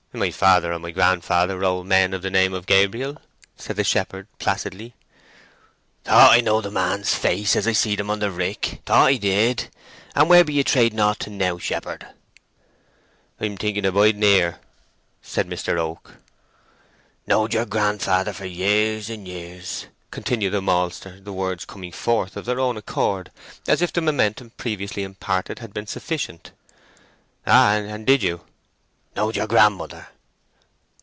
"My father and my grandfather were old men of the name of Gabriel," said the shepherd, placidly. "Thought I knowed the man's face as I seed him on the rick!—thought I did! And where be ye trading o't to now, shepherd?" "I'm thinking of biding here," said Mr. Oak. "Knowed yer grandfather for years and years!" continued the maltster, the words coming forth of their own accord as if the momentum previously imparted had been sufficient. "Ah—and did you!" "Knowed yer grandmother."